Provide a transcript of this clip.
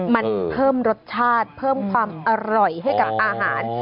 มันเพิ่มรสชาติเพิ่มความอร่อยให้กับอาหาร